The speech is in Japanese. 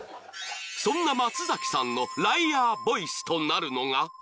［そんな松崎さんのライアーボイスとなるのが］